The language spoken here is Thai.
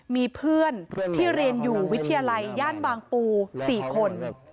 มีเพื่อนที่เรียนอยู่วิทยาลัยย่านบางปู๔คน